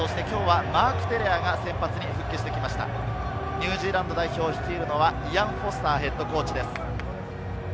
ニュージーランド代表を率いるのはイアン・フォスターＨＣです。